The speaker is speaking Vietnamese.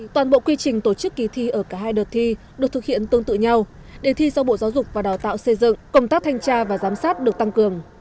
toàn bộ quy trình tổ chức kỳ thi ở cả hai đợt thi được thực hiện tương tự nhau để thi do bộ giáo dục và đào tạo xây dựng công tác thanh tra và giám sát được tăng cường